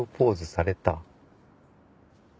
された！